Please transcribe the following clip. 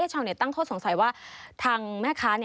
ชาวเน็ตตั้งข้อสงสัยว่าทางแม่ค้า